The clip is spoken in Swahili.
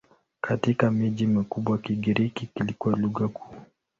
Katika miji mikubwa Kigiriki kilikuwa lugha kuu.